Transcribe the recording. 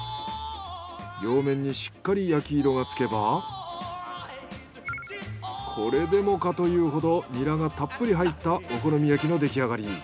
両面にしっかり焼き色がつけばこれでもかというほどニラがたっぷり入ったお好み焼きのできあがり。